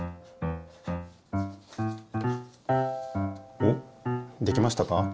おっできましたか？